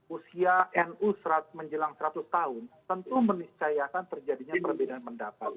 usia nu menjelang seratus tahun tentu meniscayakan terjadinya perbedaan pendapat